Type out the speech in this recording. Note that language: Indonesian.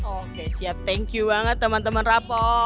oke siap thank you banget teman teman rapo